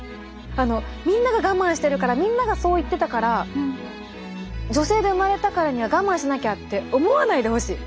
あのみんなが我慢してるからみんながそう言ってたから女性で生まれたからには我慢しなきゃって思わないでほしい。